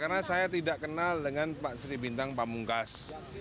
karena saya tidak kenal dengan pak sri bintang pamungkas